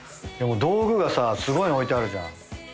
道具がさすごいの置いてあるじゃん。